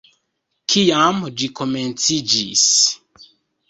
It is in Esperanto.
Kiam ĝi komenciĝis?